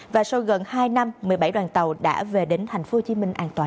và sau gần hai năm một mươi bảy đoàn tàu đã về đến tp hcm